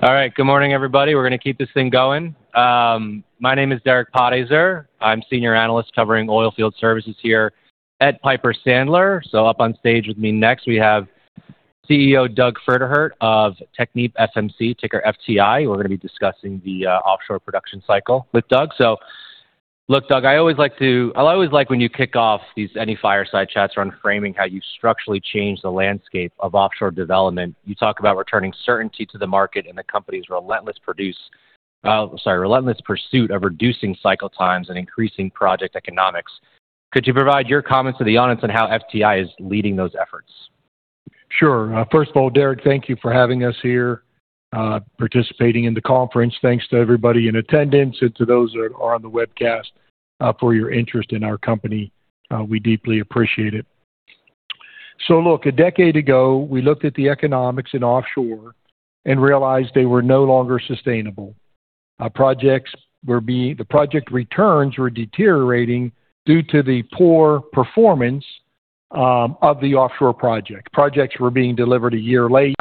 All right. Good morning, everybody. We're gonna keep this thing going. My name is Derek Podhaizer. I'm Senior Analyst covering oil field services here at Piper Sandler. Up on stage with me next, we have CEO Doug Pferdehirt of TechnipFMC, ticker FTI. We're gonna be discussing the offshore production cycle with Doug. Look, Doug, I always like when you kick off any fireside chats around framing how you structurally change the landscape of offshore development. You talk about returning certainty to the market and the company's relentless pursuit of reducing cycle times and increasing project economics. Could you provide your comments to the audience on how FTI is leading those efforts? Sure. First of all, Derek, thank you for having us here, participating in the conference. Thanks to everybody in attendance and to those that are on the webcast for your interest in our company. We deeply appreciate it. Look, a decade ago, we looked at the economics in offshore and realized they were no longer sustainable. The project returns were deteriorating due to the poor performance of the offshore project. Projects were being delivered a year late.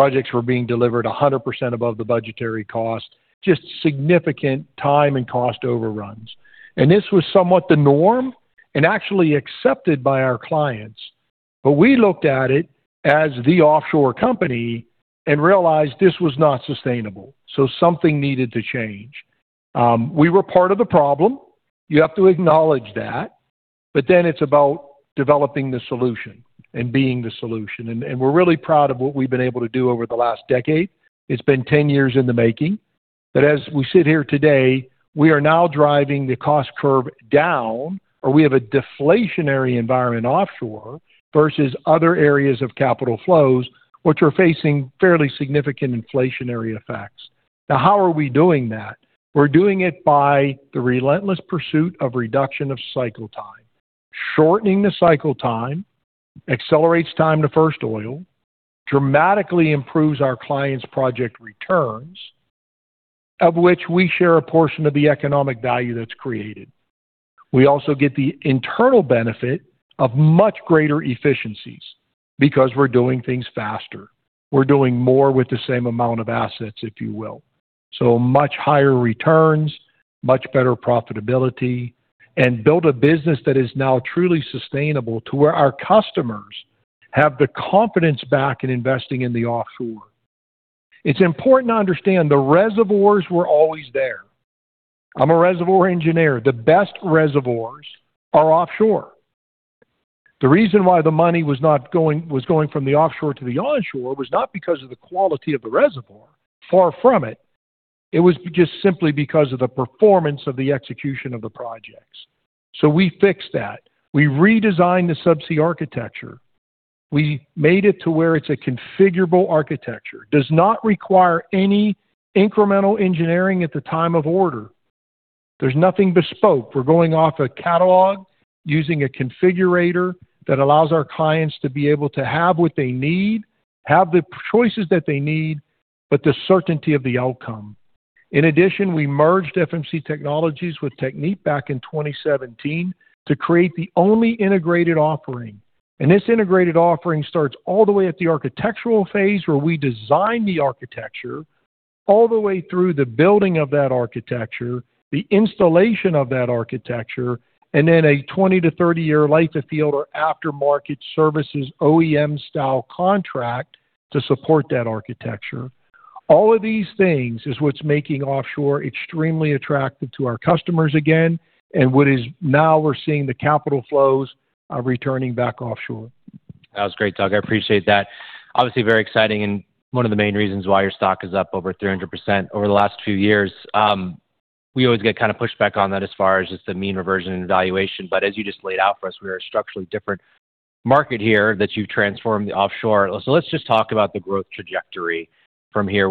Projects were being delivered 100% above the budgetary cost. Just significant time and cost overruns. This was somewhat the norm and actually accepted by our clients. We looked at it as the offshore company and realized this was not sustainable, so something needed to change. We were part of the problem. You have to acknowledge that, but then it's about developing the solution and being the solution. We're really proud of what we've been able to do over the last decade. It's been 10 years in the making. As we sit here today, we are now driving the cost curve down, or we have a deflationary environment offshore versus other areas of capital flows, which are facing fairly significant inflationary effects. Now, how are we doing that? We're doing it by the relentless pursuit of reduction of cycle time. Shortening the cycle time accelerates time to first oil, dramatically improves our clients' project returns, of which we share a portion of the economic value that's created. We also get the internal benefit of much greater efficiencies because we're doing things faster. We're doing more with the same amount of assets, if you will. Much higher returns, much better profitability, and build a business that is now truly sustainable to where our customers have the confidence back in investing in the offshore. It's important to understand the reservoirs were always there. I'm a reservoir engineer. The best reservoirs are offshore. The reason why the money was going from the offshore to the onshore was not because of the quality of the reservoir. Far from it. It was just simply because of the performance of the execution of the projects. We fixed that. We redesigned the subsea architecture. We made it to where it's a configurable architecture. Does not require any incremental engineering at the time of order. There's nothing bespoke. We're going off a catalog using a configurator that allows our clients to be able to have what they need, have the choices that they need, but the certainty of the outcome. In addition, we merged FMC Technologies with Technip back in 2017 to create the only integrated offering. This integrated offering starts all the way at the architectural phase, where we design the architecture, all the way through the building of that architecture, the installation of that architecture, and then a 20- to 30-year life of field or after-market services OEM-style contract to support that architecture. All of these things is what's making offshore extremely attractive to our customers again and what is now we're seeing the capital flows, returning back offshore. That was great, Doug. I appreciate that. Obviously very exciting and one of the main reasons why your stock is up over 300% over the last few years. We always get kind of pushback on that as far as just the mean reversion and valuation. As you just laid out for us, we are a structurally different market here that you've transformed the offshore. Let's just talk about the growth trajectory from here.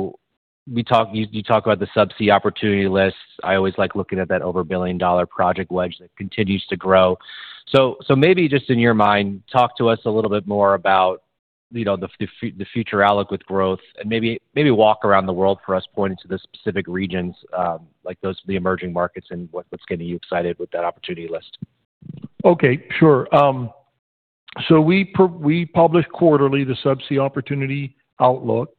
You talk about the subsea opportunity outlook. I always like looking at that $1 billion project wedge that continues to grow. Maybe just in your mind, talk to us a little bit more about, you know, the future outlook with growth and maybe walk around the world for us, pointing to the specific regions, like those are the emerging markets and what's getting you excited with that opportunity list? Okay. Sure. We publish quarterly the subsea opportunity outlook,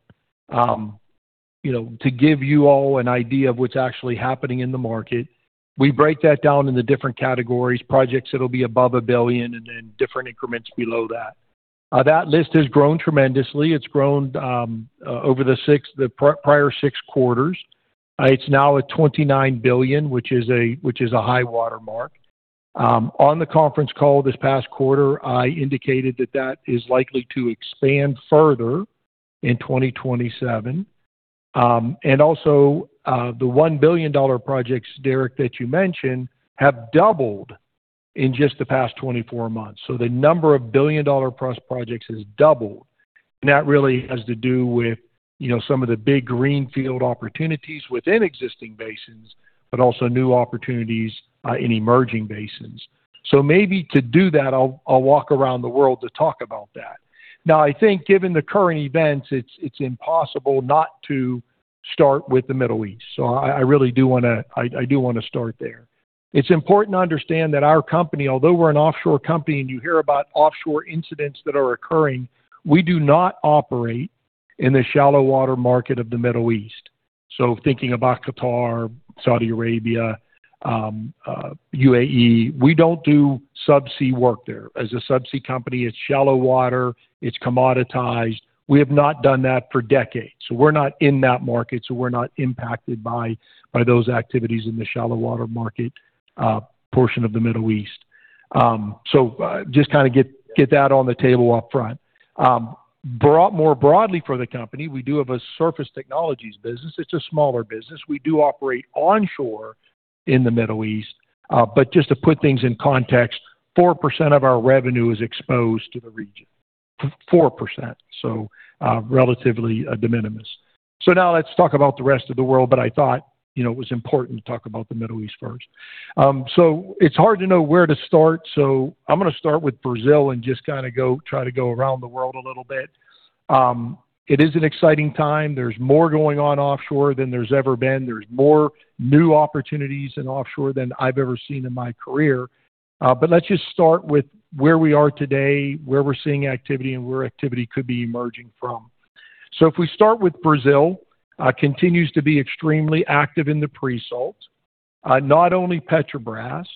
you know, to give you all an idea of what's actually happening in the market. We break that down into different categories, projects that'll be above $1 billion and then different increments below that. That list has grown tremendously. It's grown over the prior six quarters. It's now at $29 billion, which is a high-water mark. On the conference call this past quarter, I indicated that that is likely to expand further in 2027. The $1 billion projects, Derek, that you mentioned, have doubled in just the past 24 months. The number of billion-dollar-plus projects has doubled. That really has to do with, you know, some of the big greenfield opportunities within existing basins, but also new opportunities in emerging basins. Maybe to do that, I'll walk around the world to talk about that. Now, I think given the current events, it's impossible not to start with the Middle East. I really do wanna start there. It's important to understand that our company, although we're an offshore company, and you hear about offshore incidents that are occurring, we do not operate in the shallow water market of the Middle East. Thinking about Qatar, Saudi Arabia, UAE, we don't do subsea work there. As a subsea company, it's shallow water, it's commoditized. We have not done that for decades. We're not in that market, so we're not impacted by those activities in the shallow water market portion of the Middle East. Just kinda get that on the table upfront. More broadly for the company, we do have a Surface Technologies business. It's a smaller business. We do operate onshore in the Middle East. Just to put things in context, 4% of our revenue is exposed to the region. 4%. Relatively de minimis. Now let's talk about the rest of the world, but I thought, you know, it was important to talk about the Middle East first. It's hard to know where to start, so I'm gonna start with Brazil and just kinda try to go around the world a little bit. It is an exciting time. There's more going on offshore than there's ever been. There's more new opportunities in offshore than I've ever seen in my career. Let's just start with where we are today, where we're seeing activity, and where activity could be emerging from. If we start with Brazil, it continues to be extremely active in the pre-salt. Not only Petrobras,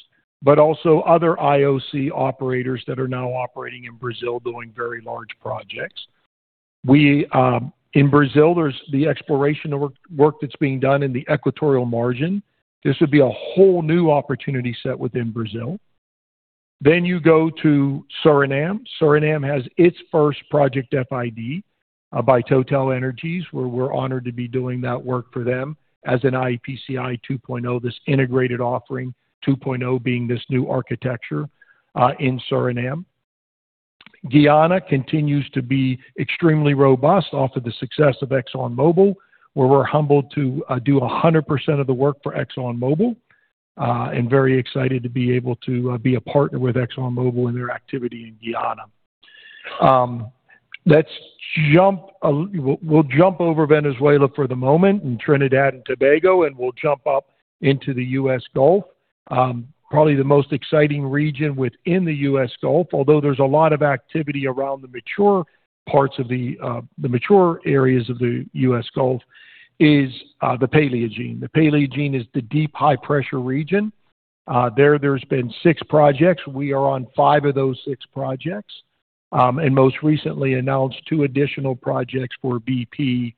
but also other IOC operators that are now operating in Brazil doing very large projects. In Brazil, there's the exploration work that's being done in the Equatorial Margin. This would be a whole new opportunity set within Brazil. You go to Suriname. Suriname has its first project FID by TotalEnergies, where we're honored to be doing that work for them as an iEPCI 2.0, this integrated offering, 2.0 being this new architecture, in Suriname. Guyana continues to be extremely robust off of the success of ExxonMobil, where we're humbled to do 100% of the work for ExxonMobil, and very excited to be able to be a partner with ExxonMobil in their activity in Guyana. Let's jump over Venezuela for the moment and Trinidad and Tobago, and we'll jump up into the U.S. Gulf. Probably the most exciting region within the U.S. Gulf, although there's a lot of activity around the mature parts of the mature areas of the U.S. Gulf, is the Paleogene. The Paleogene is the deep high-pressure region. There has been six projects. We are on five of those six projects, and most recently announced two additional projects for BP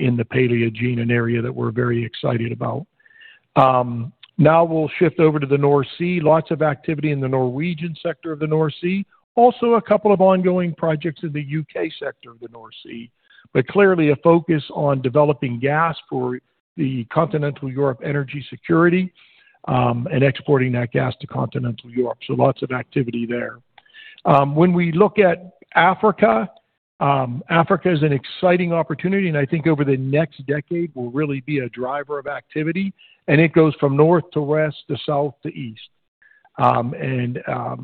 in the Paleogene, an area that we're very excited about. Now we'll shift over to the North Sea. Lots of activity in the Norwegian sector of the North Sea. Also a couple of ongoing projects in the U.K. sector of the North Sea, but clearly a focus on developing gas for the continental Europe energy security, and exporting that gas to continental Europe. Lots of activity there. When we look at Africa is an exciting opportunity, and I think over the next decade will really be a driver of activity. It goes from north to west to south to east.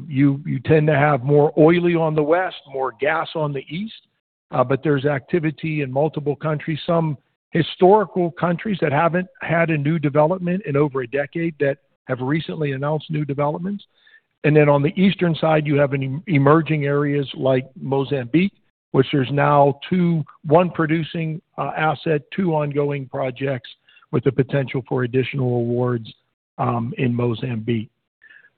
You tend to have more oily on the west, more gas on the east, but there's activity in multiple countries, some historical countries that haven't had a new development in over a decade that have recently announced new developments. On the eastern side, you have emerging areas like Mozambique, which there's now two—one producing asset, two ongoing projects with the potential for additional awards in Mozambique.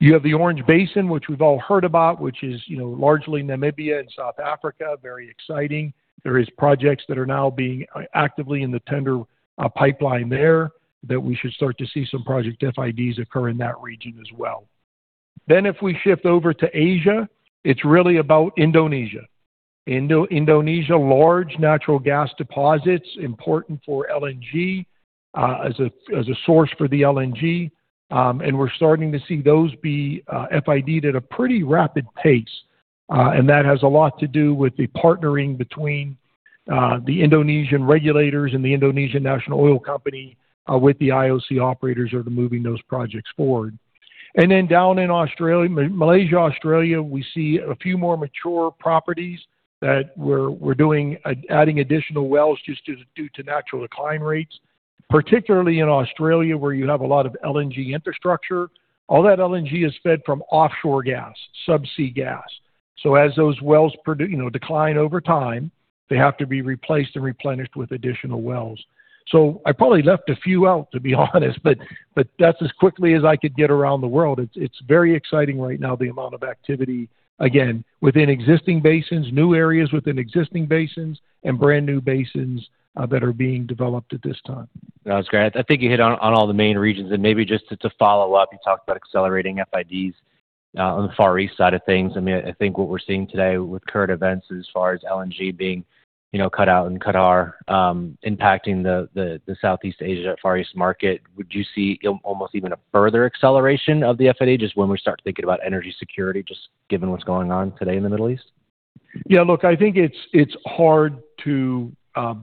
You have the Orange Basin, which we've all heard about, which is, you know, largely Namibia and South Africa. Very exciting. There is projects that are now being actively in the tender pipeline there that we should start to see some project FIDs occur in that region as well. If we shift over to Asia, it's really about Indonesia. Indonesia, large natural gas deposits, important for LNG, as a source for the LNG, and we're starting to see those be FID'd at a pretty rapid pace. That has a lot to do with the partnering between the Indonesian regulators and the Indonesian National Oil Company with the IOC operators that are moving those projects forward. Then down in Malaysia, Australia, we see a few more mature properties that we're adding additional wells just due to natural decline rates. Particularly in Australia, where you have a lot of LNG infrastructure, all that LNG is fed from offshore gas, subsea gas. As those wells, you know, decline over time, they have to be replaced and replenished with additional wells. I probably left a few out, to be honest, but that's as quickly as I could get around the world. It's very exciting right now, the amount of activity, again, within existing basins, new areas within existing basins, and brand-new basins that are being developed at this time. That was great. I think you hit on all the main regions. Maybe just to follow up, you talked about accelerating FIDs on the Far East side of things. I mean, I think what we're seeing today with current events as far as LNG being, you know, cut out in Qatar, impacting the Southeast Asia, Far East market, would you see almost even a further acceleration of the FID just when we start thinking about energy security, just given what's going on today in the Middle East? Yeah, look, I think it's hard to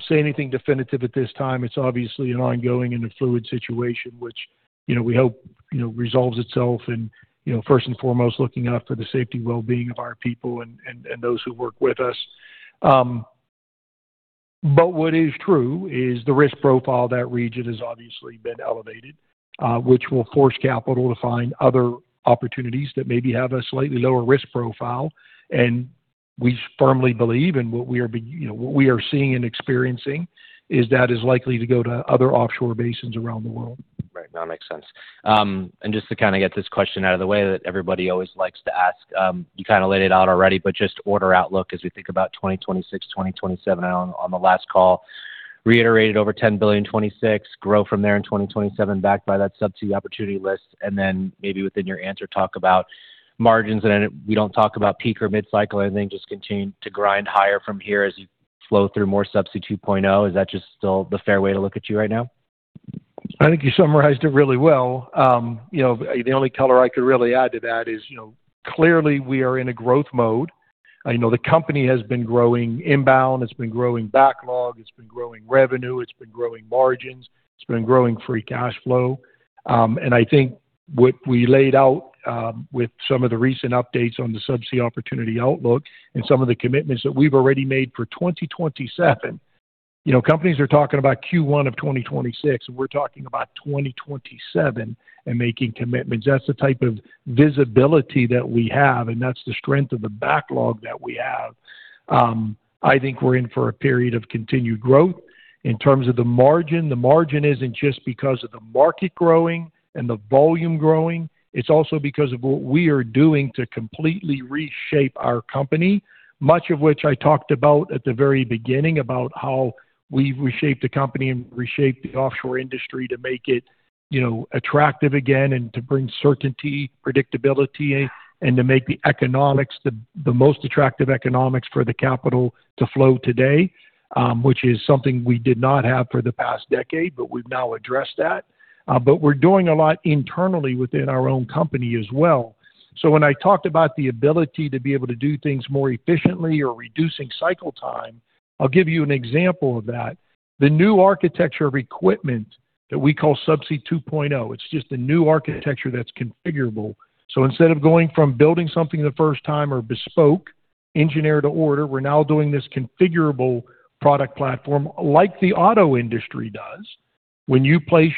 say anything definitive at this time. It's obviously an ongoing and a fluid situation which, you know, we hope, you know, resolves itself and, you know, first and foremost, looking out for the safety and well-being of our people and those who work with us. What is true is the risk profile of that region has obviously been elevated, which will force capital to find other opportunities that maybe have a slightly lower risk profile. We firmly believe and what we are seeing and experiencing is that likely to go to other offshore basins around the world. Right. That makes sense. Just to kind of get this question out of the way that everybody always likes to ask, you kind of laid it out already, but just order outlook as we think about 2026, 2027 on the last call. Reiterated over $10 billion 2026, grow from there in 2027 backed by that subsea opportunity outlook. Then maybe within your answer, talk about margins. I know we don't talk about peak or mid-cycle or anything, just continue to grind higher from here as you flow through more Subsea 2.0. Is that just still the fair way to look at you right now? I think you summarized it really well. You know, the only color I could really add to that is, you know, clearly we are in a growth mode. You know, the company has been growing inbound, it's been growing backlog, it's been growing revenue, it's been growing margins, it's been growing free cash flow. I think what we laid out with some of the recent updates on the subsea opportunity outlook and some of the commitments that we've already made for 2027. You know, companies are talking about Q1 of 2026, and we're talking about 2027 and making commitments. That's the type of visibility that we have, and that's the strength of the backlog that we have. I think we're in for a period of continued growth. In terms of the margin, the margin isn't just because of the market growing and the volume growing, it's also because of what we are doing to completely reshape our company. Much of which I talked about at the very beginning about how we've reshaped the company and reshaped the offshore industry to make it, you know, attractive again and to bring certainty, predictability, and to make the economics the most attractive economics for the capital to flow today, which is something we did not have for the past decade, but we've now addressed that. We're doing a lot internally within our own company as well. When I talked about the ability to be able to do things more efficiently or reducing cycle time, I'll give you an example of that. The new architecture of equipment that we call Subsea 2.0, it's just a new architecture that's configurable. Instead of going from building something the first time or bespoke, engineer to order, we're now doing this configurable product platform like the auto industry does. When you place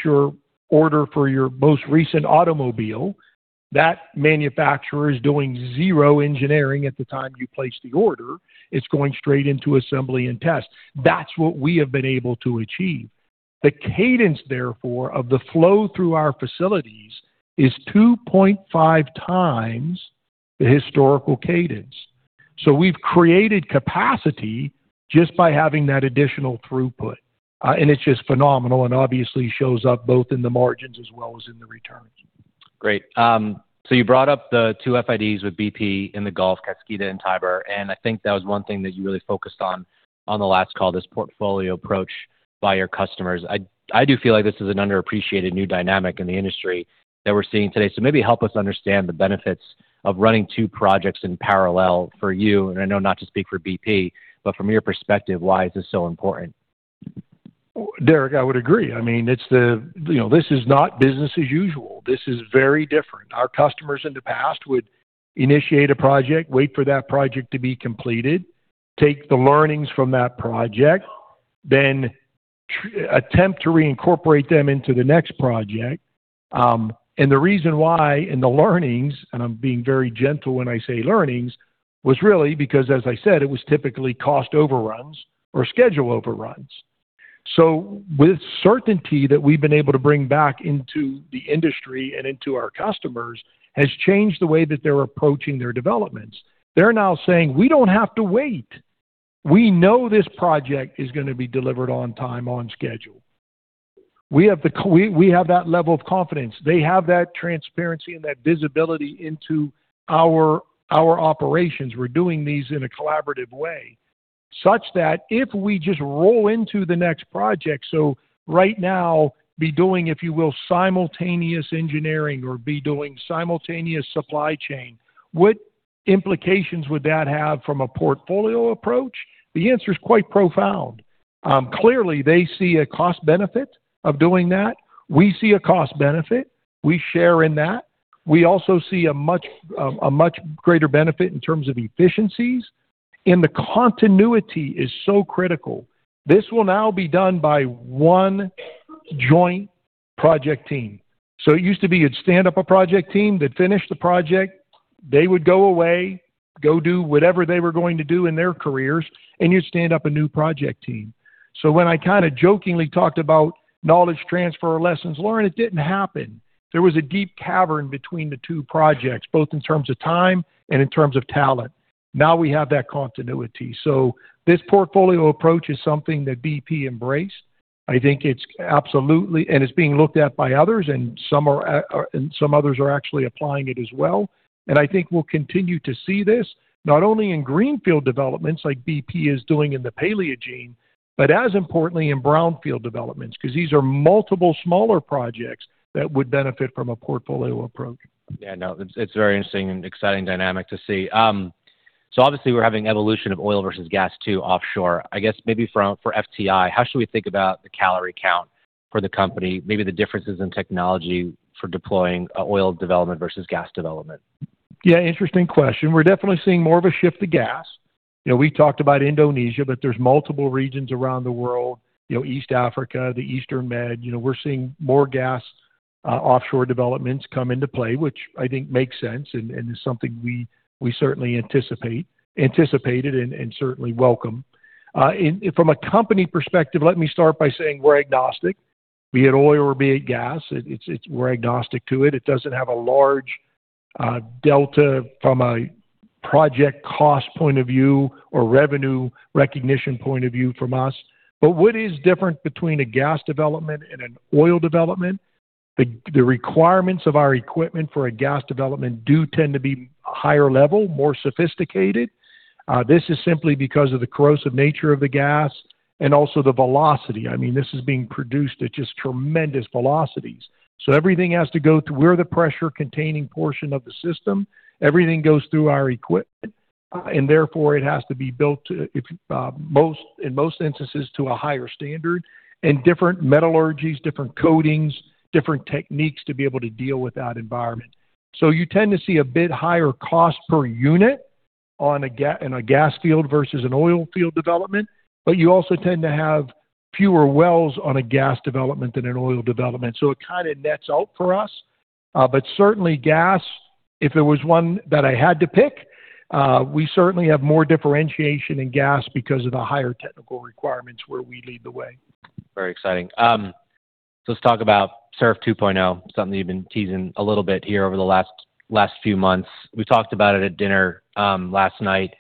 your order for your most recent automobile, that manufacturer is doing zero engineering at the time you place the order. It's going straight into assembly and test. That's what we have been able to achieve. The cadence, therefore, of the flow through our facilities is 2.5 times the historical cadence. We've created capacity just by having that additional throughput. It's just phenomenal and obviously shows up both in the margins as well as in the returns. Great. You brought up the two FIDs with BP in the Gulf, Kaskida and Tiber, and I think that was one thing that you really focused on the last call, this portfolio approach by your customers. I do feel like this is an underappreciated new dynamic in the industry that we're seeing today. Maybe help us understand the benefits of running two projects in parallel for you. I know not to speak for BP, but from your perspective, why is this so important? Derek, I would agree. I mean, it's, you know, this is not business as usual. This is very different. Our customers in the past would initiate a project, wait for that project to be completed, take the learnings from that project, then attempt to reincorporate them into the next project. The reason why in the learnings, and I'm being very gentle when I say learnings, was really because, as I said, it was typically cost overruns or schedule overruns. With certainty that we've been able to bring back into the industry and into our customers has changed the way that they're approaching their developments. They're now saying, "We don't have to wait. We know this project is gonna be delivered on time, on schedule." We have that level of confidence. They have that transparency and that visibility into our operations. We're doing these in a collaborative way, such that if we just roll into the next project, right now we're doing, if you will, simultaneous engineering or we're doing simultaneous supply chain, what implications would that have from a portfolio approach? The answer is quite profound. Clearly, they see a cost benefit of doing that. We see a cost benefit. We share in that. We also see a much greater benefit in terms of efficiencies, and the continuity is so critical. This will now be done by one joint project team. It used to be you'd stand up a project team, they'd finish the project, they would go away, go do whatever they were going to do in their careers, and you'd stand up a new project team. When I kind of jokingly talked about knowledge transfer or lessons learned, it didn't happen. There was a deep cavern between the two projects, both in terms of time and in terms of talent. Now we have that continuity. This portfolio approach is something that BP embraced. I think it's absolutely, and it's being looked at by others, and some are, and some others are actually applying it as well. I think we'll continue to see this not only in greenfield developments like BP is doing in the Paleogene, but as importantly in brownfield developments, because these are multiple smaller projects that would benefit from a portfolio approach. Yeah, no, it's a very interesting and exciting dynamic to see. Obviously we're having evolution of oil versus gas too, offshore. I guess maybe for FTI, how should we think about the calorie count for the company? Maybe the differences in technology for deploying oil development versus gas development. Yeah, interesting question. We're definitely seeing more of a shift to gas. You know, we talked about Indonesia, but there's multiple regions around the world, you know, East Africa, the Eastern Med. You know, we're seeing more gas offshore developments come into play, which I think makes sense and is something we certainly anticipated and certainly welcome. From a company perspective, let me start by saying we're agnostic, be it oil or be it gas. It's. We're agnostic to it. It doesn't have a large delta from a project cost point of view or revenue recognition point of view from us. What is different between a gas development and an oil development. The requirements of our equipment for a gas development do tend to be higher level, more sophisticated. This is simply because of the corrosive nature of the gas and also the velocity. I mean, this is being produced at just tremendous velocities. Everything has to go through. We're the pressure-containing portion of the system. Everything goes through our equipment, and therefore it has to be built, in most instances, to a higher standard, and different metallurgies, different coatings, different techniques to be able to deal with that environment. You tend to see a bit higher cost per unit in a gas field versus an oil field development, but you also tend to have fewer wells on a gas development than an oil development. It kinda nets out for us. Certainly gas, if there was one that I had to pick. We certainly have more differentiation in gas because of the higher technical requirements where we lead the way. Very exciting. Let's talk about Subsea 2.0, something you've been teasing a little bit here over the last few months. We talked about it at dinner last night.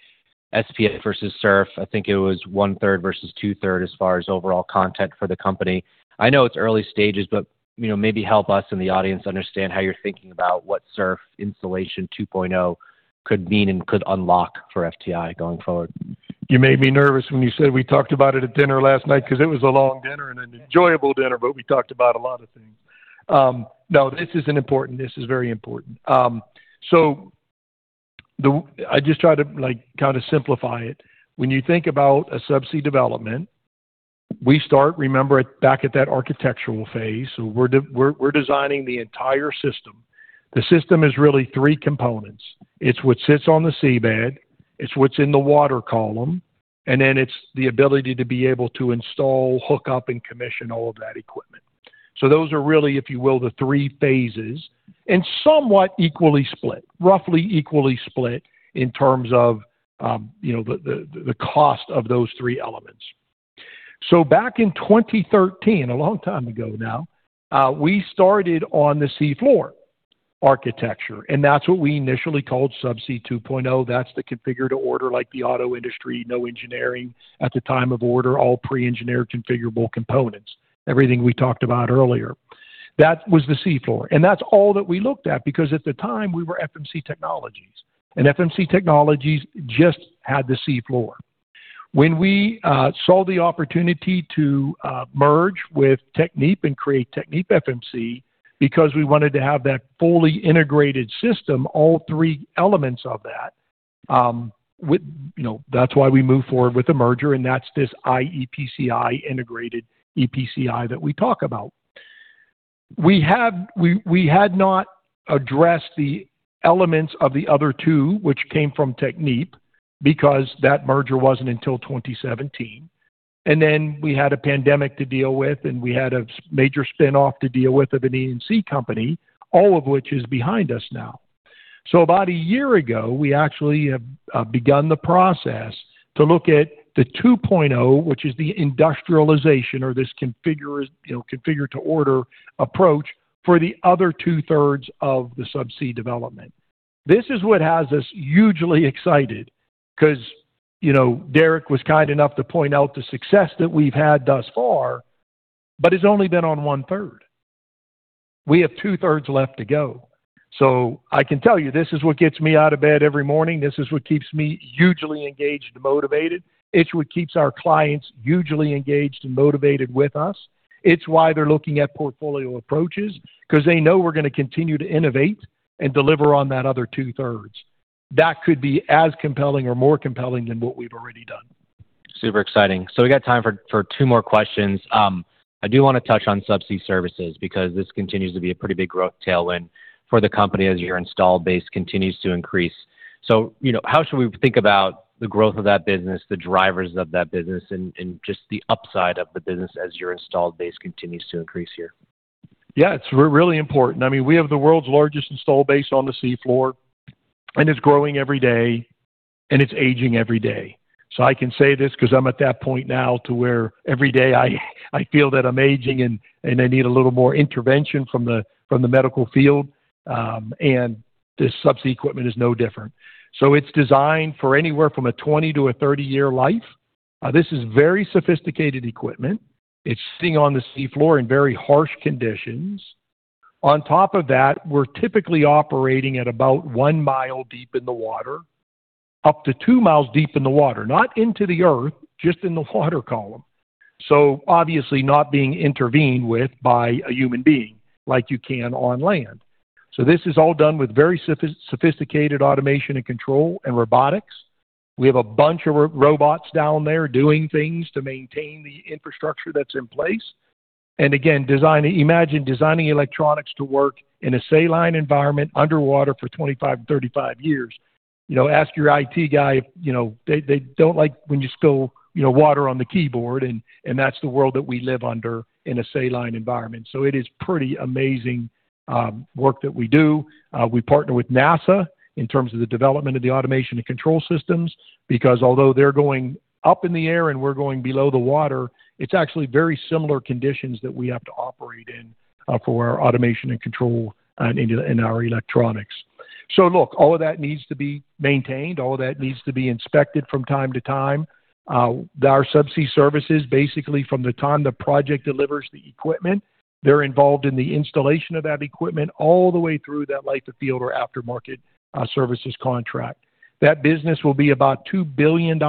SPS versus SURF, I think it was one-third versus two-thirds as far as overall content for the company. I know it's early stages, but you know, maybe help us and the audience understand how you're thinking about what SURF installation 2.0 could mean and could unlock for FTI going forward? You made me nervous when you said we talked about it at dinner last night because it was a long dinner and an enjoyable dinner, but we talked about a lot of things. No, this is very important. I just try to, like, kinda simplify it. When you think about a subsea development, we start, remember, back at that architectural phase. We're designing the entire system. The system is really three components. It's what sits on the seabed, it's what's in the water column, and then it's the ability to be able to install, hook up, and commission all of that equipment. Those are really, if you will, the three phases, and somewhat equally split, roughly equally split in terms of, you know, the cost of those three elements. Back in 2013, a long time ago now, we started on the seafloor architecture, and that's what we initially called Subsea 2.0. That's the Configure-to-Order, like the auto industry. No engineering at the time of order, all pre-engineered configurable components. Everything we talked about earlier. That was the seafloor. And that's all that we looked at because at the time, we were FMC Technologies, and FMC Technologies just had the seafloor. When we saw the opportunity to merge with Technip and create TechnipFMC because we wanted to have that fully integrated system, all three elements of that, you know, that's why we moved forward with the merger, and that's this iEPCI, integrated EPCI that we talk about. We had not addressed the elements of the other two, which came from Technip, because that merger wasn't until 2017. We had a pandemic to deal with, and we had a major spin-off to deal with of an E&C company, all of which is behind us now. About a year ago, we actually have begun the process to look at the 2.0, which is the industrialization or this you know, Configure-to-Order approach for the other 2/3 of the subsea development. This is what has us hugely excited because, you know, Derek was kind enough to point out the success that we've had thus far, but it's only been on 1/3. We have 2/3 left to go. I can tell you, this is what gets me out of bed every morning. This is what keeps me hugely engaged and motivated. It's what keeps our clients hugely engaged and motivated with us. It's why they're looking at portfolio approaches, 'cause they know we're gonna continue to innovate and deliver on that other 2/3. That could be as compelling or more compelling than what we've already done. Super exciting. We got time for two more questions. I do wanna touch on subsea services because this continues to be a pretty big growth tailwind for the company as your installed base continues to increase. You know, how should we think about the growth of that business, the drivers of that business, and just the upside of the business as your installed base continues to increase here? Yeah, it's really important. I mean, we have the world's largest installed base on the seafloor, and it's growing every day, and it's aging every day. I can say this 'cause I'm at that point now to where every day I feel that I'm aging and I need a little more intervention from the medical field, and this subsea equipment is no different. It's designed for anywhere from a 20- to a 30-year life. This is very sophisticated equipment. It's sitting on the seafloor in very harsh conditions. On top of that, we're typically operating at about 1 mi deep in the water, up to 2 mi deep in the water. Not into the earth, just in the water column. Obviously not being intervened with by a human being like you can on land. This is all done with very sophisticated automation and control and robotics. We have a bunch of robots down there doing things to maintain the infrastructure that's in place. Imagine designing electronics to work in a saline environment underwater for 25-35 years. You know, ask your IT guy if, you know, they don't like when you spill, you know, water on the keyboard and that's the world that we live under in a saline environment. It is pretty amazing work that we do. We partner with NASA in terms of the development of the automation and control systems because although they're going up in the air and we're going below the water, it's actually very similar conditions that we have to operate in for our automation and control in our electronics. Look, all of that needs to be maintained, all of that needs to be inspected from time to time. Our subsea services, basically from the time the project delivers the equipment, they're involved in the installation of that equipment all the way through that life of field or aftermarket services contract. That business will be about $2 billion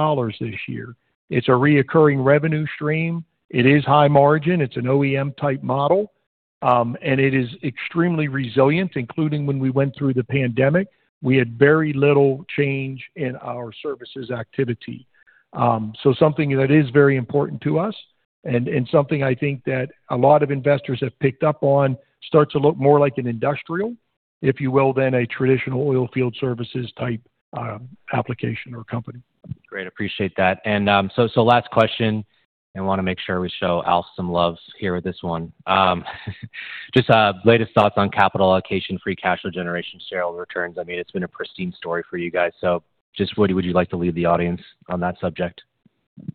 this year. It's a recurring revenue stream. It is high margin. It's an OEM type model. And it is extremely resilient, including when we went through the pandemic. We had very little change in our services activity. Something that is very important to us and something I think that a lot of investors have picked up on starts to look more like an industrial, if you will, than a traditional oilfield services type application or company. Great. Appreciate that. Last question, and wanna make sure we show Al some love here with this one. Just latest thoughts on capital allocation, free cash flow generation, shareholder returns. I mean, it's been a pristine story for you guys. Just what would you like to leave the audience on that subject?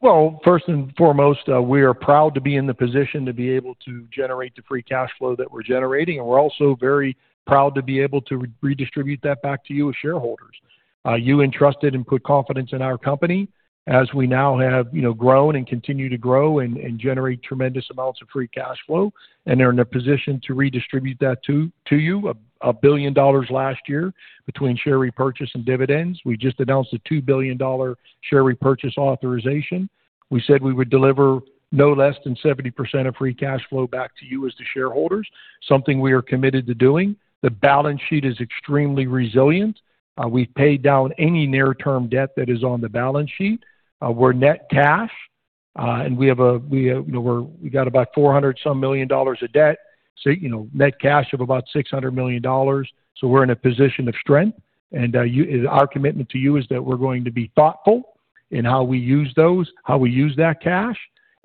Well, first and foremost, we are proud to be in the position to be able to generate the free cash flow that we're generating. We're also very proud to be able to redistribute that back to you as shareholders. You entrusted and put confidence in our company as we now have, you know, grown and continue to grow and generate tremendous amounts of free cash flow. We are in a position to redistribute that to you $1 billion last year between share repurchase and dividends. We just announced a $2 billion share repurchase authorization. We said we would deliver no less than 70% of free cash flow back to you as the shareholders, something we are committed to doing. The balance sheet is extremely resilient. We paid down any near term debt that is on the balance sheet. We're net cash, and we have, you know, we got about $400 million of debt. So, you know, net cash of about $600 million. So we're in a position of strength. Our commitment to you is that we're going to be thoughtful in how we use those, how we use that cash.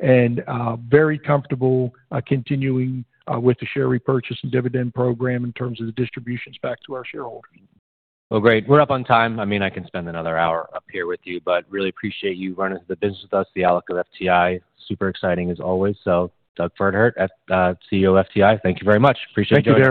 Very comfortable continuing with the share repurchase and dividend program in terms of the distributions back to our shareholders. Well, great. We're up on time. I mean, I can spend another hour up here with you, but really appreciate you running the business with us, the outlook of FTI. Super exciting as always. Doug Pferdehirt as CEO FTI, thank you very much. Appreciate your time.